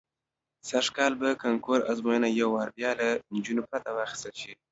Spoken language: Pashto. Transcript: سږ کال به د کانکور ازموینه یو وار بیا له نجونو پرته واخیستل شي.